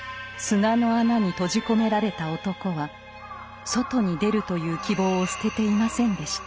砂の穴に閉じ込められた男は外に出るという希望を捨てていませんでした。